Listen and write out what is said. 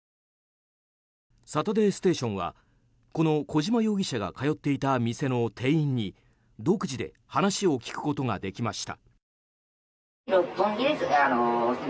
「サタデーステーション」はこの小島容疑者が通っていた店の店員に独自で話を聞くことができました。